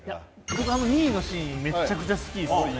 僕あの２位のシーンめっちゃくちゃ好きっすね。